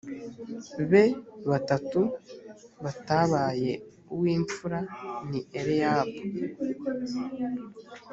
be batatu batabaye uw imfura ni eliyabu